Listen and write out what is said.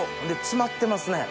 詰まってますね。